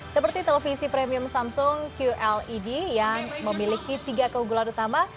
seperti televisi premium samsung qled yang memiliki tiga keunggulan utama